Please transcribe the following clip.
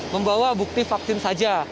membawa bukti vaksin saja